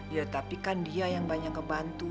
ya tapi kan dia yang banyak ngebantu